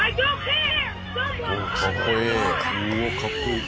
おおかっこいい。